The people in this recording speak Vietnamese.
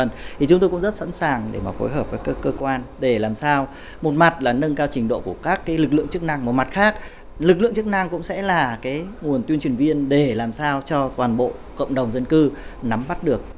thì chúng tôi cũng rất sẵn sàng để mà phối hợp với các cơ quan để làm sao một mặt là nâng cao trình độ của các lực lượng chức năng một mặt khác lực lượng chức năng cũng sẽ là cái nguồn tuyên truyền viên để làm sao cho toàn bộ cộng đồng dân cư nắm bắt được